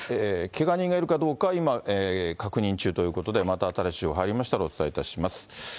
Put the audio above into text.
けが人がいるかどうか、今、確認中ということで、また、新しい情報入りましたら、お伝えいたします。